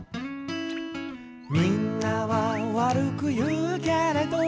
「みんなはわるくいうけれど」